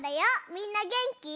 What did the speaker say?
みんなげんき？